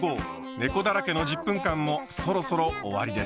ねこだらけの１０分間もそろそろ終わりです。